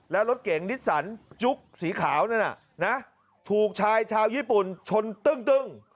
แล้วรถเก่งนิสสันจุ๊กสีขาวนั่นน่ะนะถูกชายชาวญี่ปุ่นชนตึ้ง